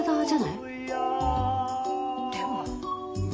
でも。